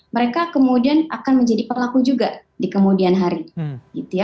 mereka kemudian akan menjadi pelaku juga di kemudian hari